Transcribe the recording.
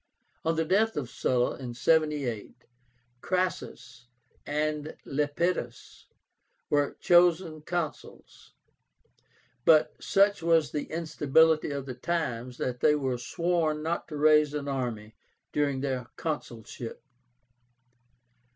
On the death of Sulla, in 78, CRASSUS and LEPIDUS were chosen Consuls; but such was the instability of the times that they were sworn not to raise an army during their consulship.